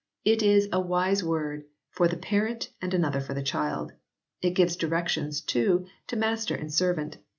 It is a wise word for the parent and another for the child ; it gives directions, too, to master and servant.